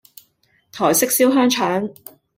台式燒香腸